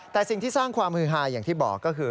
แต่สิ่งที่สร้างความฮือฮาอย่างที่บอกก็คือ